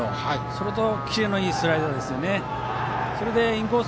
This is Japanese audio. それとキレのいいスライダー。